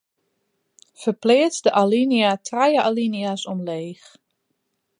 Ferpleats de alinea trije alinea's omleech.